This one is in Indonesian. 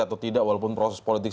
atau tidak walaupun proses politik